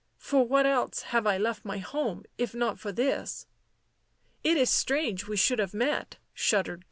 For what else have I left my home if not for this?" " It is strange we should have met," shuddered Dirk.